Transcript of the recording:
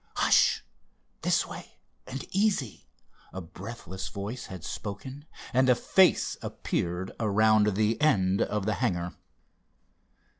"Hush! This way, and easy!" a breathless voice had spoken, and a face appeared around the end of the hangar.